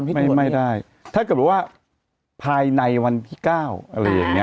ไม่ได้ถ้าเกิดว่าภายในวันที่๙อะไรอย่างนี้